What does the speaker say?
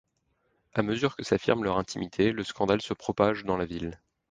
À mesure que s'affirme leur intimité, le scandale se propage dans la ville.